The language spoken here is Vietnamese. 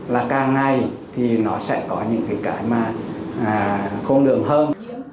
là càng ngày thì nó sẽ có những cái cái mà không được hơn